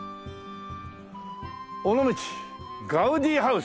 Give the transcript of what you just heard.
「尾道ガウディハウス」